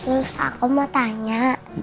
sus aku mau tanya